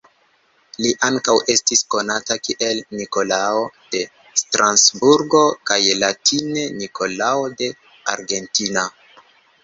Li ankaŭ estis konata kiel Nikolao de Strasburgo kaj latine Nikolao de Argentina.